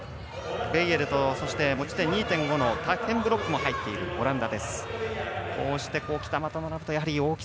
ベイエルと持ち点２．５のタッヘンブロックも入っているオランダ。